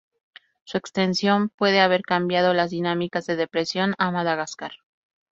Su extinción puede haber cambiado las dinámicas de depredación en Madagascar.